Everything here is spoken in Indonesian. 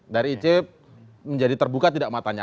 dari ic menjadi terbuka tidak matanya